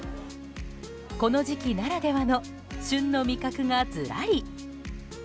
この時期ならではの旬の味覚がずらり。